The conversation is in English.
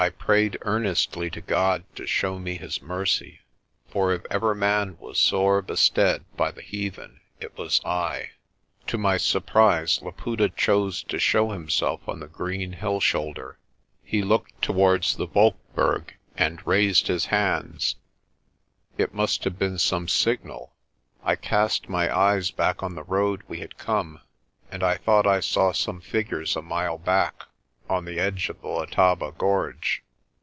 I prayed earnestly to God to show me His mercy, for if ever man was sore bestead by the heathen it was I. To my surprise, Laputa chose to show himself on the green hill shoulder. He looked towards the Wolkberg and A DEAL AND ITS CONSEQUENCES 207 raised his hands. It must have been some signal. I cast my eyes back on the road we had come and I thought I saw some figures a mile back, on the edge of the Letaba gorge.